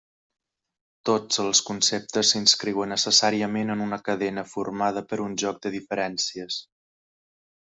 Tots els conceptes s’inscriuen necessàriament en una cadena formada per un joc de diferències.